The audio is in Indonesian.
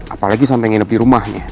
apalagi sampai nginep di rumahnya